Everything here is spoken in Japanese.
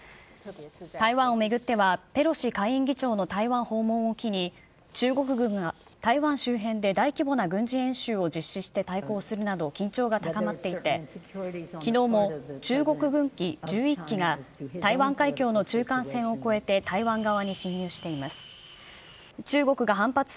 台湾を巡っては、ペロシ下院議長の台湾訪問を機に、中国軍が台湾周辺で大規模な軍事演習を実施して対抗するなど緊張が高まっていて、きのうも中国軍機１１機が台湾海峡の中間線を越えて台湾側に侵入しています。